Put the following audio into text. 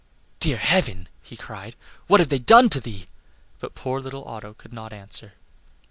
"Dear Heaven!" he cried; "what have they done to thee?" But poor little Otto could not answer.